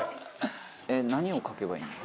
えっ何を書けばいいの？